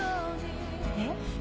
えっ？